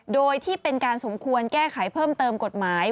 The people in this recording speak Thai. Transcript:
โดยที่เป็นการสมควรแก้ไขเพิ่มเติมกฎหมาย